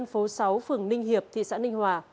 sáu phường ninh hiệp thị xã ninh hòa